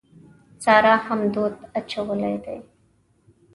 سارا هم دود اچولی دی.